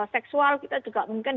seksual kita juga mungkin